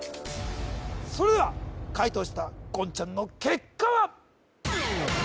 それでは解答した言ちゃんの結果は？